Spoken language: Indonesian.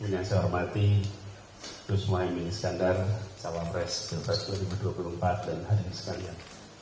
yang saya hormati tuhan semua yang minis kandar salam res jepang dua ribu dua puluh empat dan hadirin sekalian